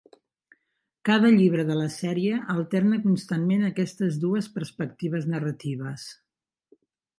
Cada llibre de la sèrie alterna constantment aquestes dues perspectives narratives.